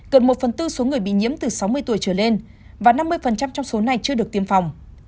gần một phần tư số người bị nhiễm từ sáu mươi tuổi trở lên và năm mươi trong số này chưa được tiêm phòng